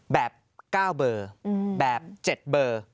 แบบ๙เบอร์แบบ๗เบอร์